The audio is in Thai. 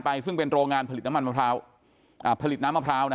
ซึ่งเป็นโรงงานผลิตน้ำมันมะพร้าวผลิตน้ำมะพร้าว